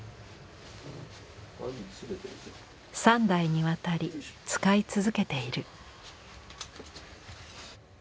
３代にわたり使い続けている。